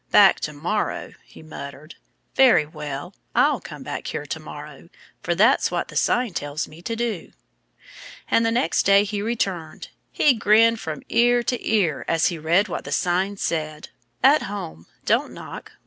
"Back To morrow," he muttered. "Very well! I'll come back here to morrow. For that's what the sign tells me to do." And the next day he returned. He grinned from ear to ear as he read what the sign said: "At Home. Don't Knock.